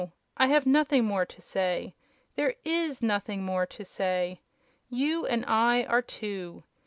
I have nothing more to say. There IS nothing more to say. You and I are two.